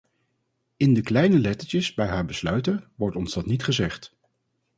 In de kleine lettertjes bij haar besluiten wordt ons dat niet gezegd.